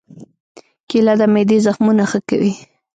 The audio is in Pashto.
کېله د معدې زخمونه ښه کوي.